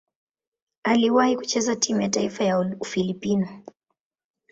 Aliwahi kucheza timu ya taifa ya Ufilipino.